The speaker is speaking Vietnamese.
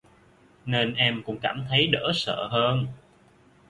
nên em cũng cảm thấy đỡ sợ hơn